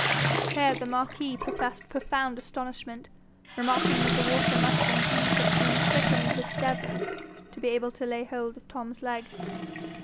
Here the marquis professed profound astonishment, remarking that the water must indeed have been thickened with devils to be able to lay hold of Tom's legs.